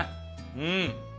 うん。